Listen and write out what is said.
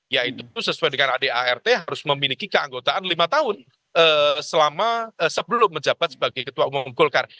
yaitu sesuai dengan adart harus memiliki keanggotaan lima tahun sebelum menjabat sebagai ketua umum golkar